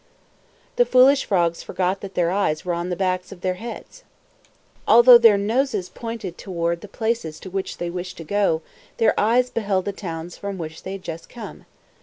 The foolish frogs forgot that their eyes were on the backs of their heads. Although their noses pointed toward the places to which they wished to go, their eyes beheld the towns from which they had just come.